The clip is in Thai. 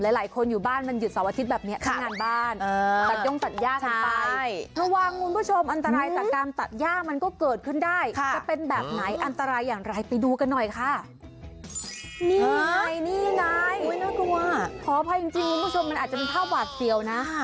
หลายคนอยู่บ้านมันหยุด๒อาทิตย์แบบนี้ด้วย